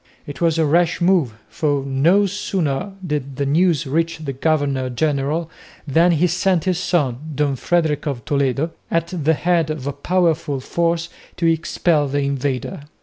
It was a rash move, for no sooner did the news reach the governor general than he sent his son, Don Frederick of Toledo, at the head of a powerful force to expel the invader.